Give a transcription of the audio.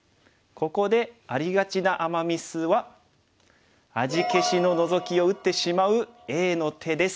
ここでありがちなアマ・ミスは味消しのノゾキを打ってしまうＡの手です。